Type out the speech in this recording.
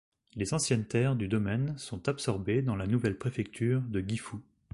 Les anciennes terres du domaine sont absorbées dans la nouvelle préfecture de Gifu.